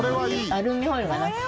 アルミホイルがなくて。